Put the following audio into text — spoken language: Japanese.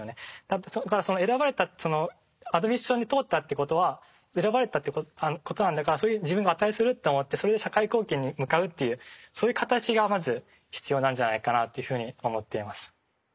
だからその選ばれたアドミッションに通ったっていうことは選ばれたっていうことなんだからそれに自分が値すると思ってそれで社会貢献に向かうというそういう形がまず必要なんじゃないかなというふうに思っています。